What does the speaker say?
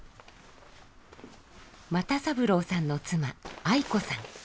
又三郎さんの妻愛子さん。